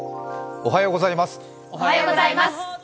おはようございます。